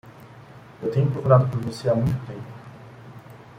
Eu tenho procurado por você há muito tempo.